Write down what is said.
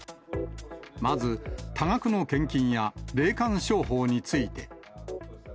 まず、多額の献金や霊感商法について。